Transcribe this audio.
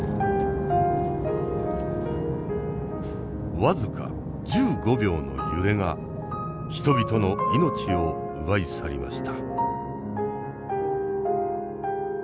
僅か１５秒の揺れが人々の命を奪い去りました。